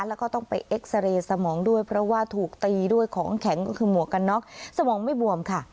แล้วก็ต้องไปเอ็กซาเรย์สมองด้วยเพราะว่าถูกตีด้วยของแข็งก็คือหมวกกันน็อกสมองไม่บวมค่ะ